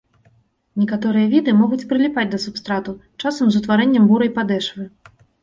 Некаторыя віды могуць прыліпаць да субстрату, часам з утварэннем бурай падэшвы.